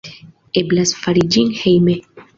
Eblas fari ĝin hejme.